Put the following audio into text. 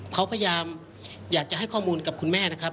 เขาพยายามอยากจะให้ข้อมูลกับคุณแม่นะครับ